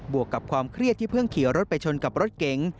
วกกับความเครียดที่เพิ่งขี่รถไปชนกับรถเก๋ง